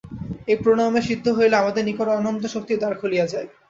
এই প্রাণায়ামে সিদ্ধ হইলে আমাদের নিকট অনন্ত শক্তির দ্বার খুলিয়া যায়।